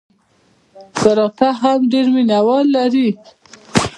کراته هم ډېر مینه وال لري.